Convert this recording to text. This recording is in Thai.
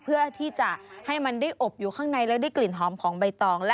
เพื่อที่จะให้มันได้อบอยู่ข้างในแล้วได้กลิ่นหอมของใบตอง